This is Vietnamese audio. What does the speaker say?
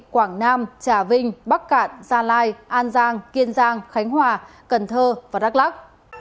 quảng nam trà vinh bắc cạn gia lai an giang kiên giang khánh hòa cần thơ và đắk lắc